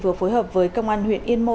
vừa phối hợp với công an huyện yên mô